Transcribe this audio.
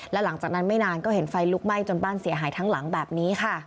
และหลังจากนั้นไม่นานก็เห็นไฟลุกไหม้จนบ้านเสียหายทั้งหลังแบบนี้ค่ะ